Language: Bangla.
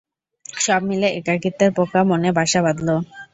সবমিলে একাকিত্বের পোকা মনে বাসা বাঁধল।